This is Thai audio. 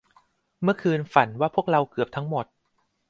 เมื่อคืนฝันว่าพวกเราเกือบทั้งหมด